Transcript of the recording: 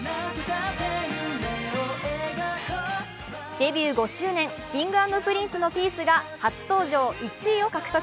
デビュー５周年、Ｋｉｎｇ＆Ｐｒｉｎｃｅの「ピース」が初登場１位を獲得。